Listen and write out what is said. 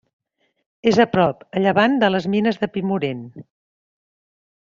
És a prop a llevant de les Mines de Pimorent.